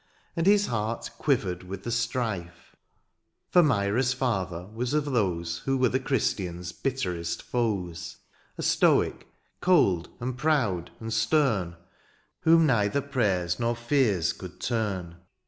And his heart quivered with the strife. For Myra's father was of those Who were the Christian's bitterest foes ; A stoic cold, and proud, and stern. Whom neither prayers nor fears could turn.